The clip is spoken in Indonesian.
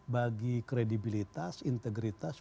bagi kredibilitas integritas